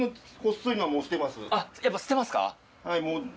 やっぱ捨てますか？